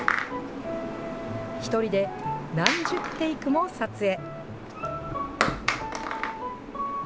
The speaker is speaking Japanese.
１人で何十テイクも撮影。